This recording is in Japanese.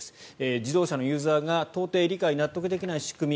自動車のユーザーが到底理解・納得できない仕組み